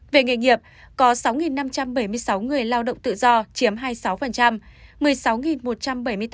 về nghề nghiệp có sáu năm trăm bảy mươi sáu người lao động tự do chiếm hai mươi sáu